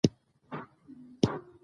ستا سره چترالي پکول څومره خوند کئ